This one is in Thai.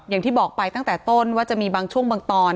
อย่างที่บอกไปตั้งแต่ต้นว่าจะมีบางช่วงบางตอน